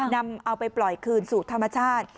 นำเอาไปปล่อยคืนสู่ธรรมชาติ